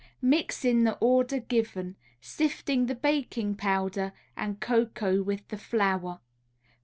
Mix in the order given, sifting the baking powder and cocoa with the flour.